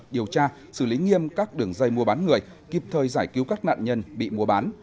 điều tra xử lý nghiêm các đường dây mua bán người kịp thời giải cứu các nạn nhân bị mua bán